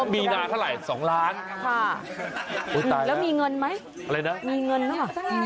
มีนานเท่าไหร่๒ล้านค่ะแล้วมีเงินไหมมีเงินเนอะ